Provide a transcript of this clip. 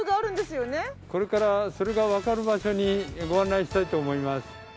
これからそれがわかる場所にご案内したいと思います。